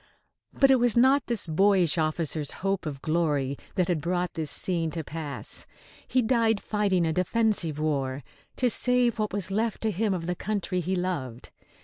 But it was not this boyish officer's hope of glory that had brought this scene to pass. He died fighting a defensive war, to save what was left to him of the country he loved.